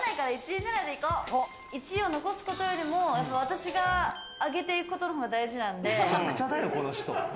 １位を残すことよりも私が上げていくことの方が大事なんで。